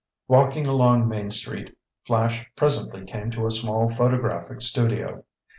Walking along Main street, Flash presently came to a small photographic studio.